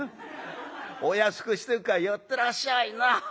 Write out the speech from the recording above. お安くしとくから寄ってらっしゃいな。